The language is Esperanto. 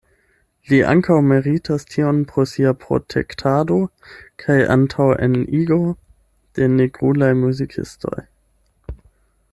Li ankaŭ meritas tion pro sia protektado kaj antaŭenigo de nigrulaj muzikistoj.